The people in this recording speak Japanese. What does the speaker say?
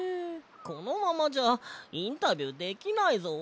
このままじゃインタビューできないぞ。